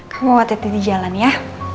kamu bawa titi di jalan ya